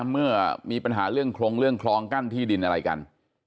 เมื่อมีปัญหาเรื่องโครงเรื่องคลองกั้นที่ดินอะไรกัน